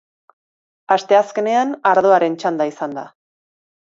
Asteazkenean, ardoaren txanda izan da.